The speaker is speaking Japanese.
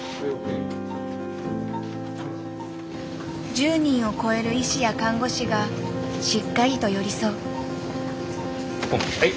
１０人を超える医師や看護師がしっかりと寄り添う。